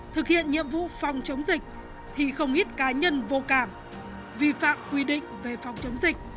thực hiện nhiệm vụ phòng chống dịch thì không ít cá nhân vô cảm vi phạm quy định về phòng chống dịch